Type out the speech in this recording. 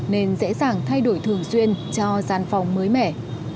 nên dễ dàng thay đổi thường xuyên cho gian phòng mới mẻ